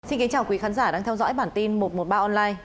xin kính chào quý khán giả đang theo dõi bản tin một trăm một mươi ba online